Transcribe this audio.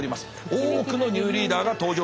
多くのニューリーダーが登場いたしました。